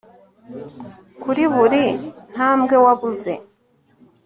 kuri buri ntambwe wabuze